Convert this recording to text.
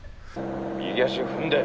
右足踏んで。